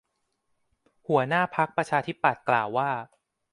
หัวหน้าพรรคประชาธิปัตย์กล่าวว่า